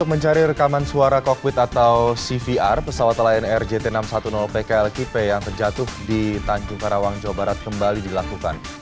untuk mencari rekaman suara kokpit atau cvr pesawat lain rgt enam ratus sepuluh p klkp yang terjatuh di tanjung karawang jawa barat kembali dilakukan